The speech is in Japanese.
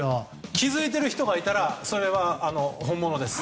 気づいている人がいたらそれは、本物です。